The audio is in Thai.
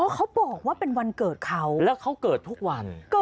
เขาบอกว่าเป็นวันเกิดเขา